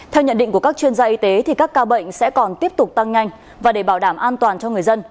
theo nhận định của các chuyên gia y tế các ca bệnh sẽ còn tiếp tục tăng nhanh và để bảo đảm an toàn cho người dân